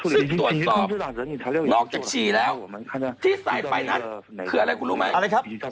ซึ่งตรวจสอบนอกจากฉี่แล้วที่ใส่ไปนั้นคืออะไรคุณรู้ไหมอะไรครับ